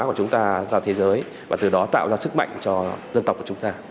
cho chúng ta cho thế giới và từ đó tạo ra sức mạnh cho dân tộc của chúng ta